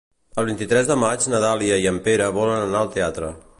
El vint-i-tres de maig na Dàlia i en Pere volen anar al teatre.